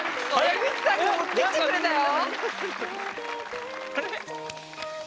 江口さんが持ってきてくれたよ。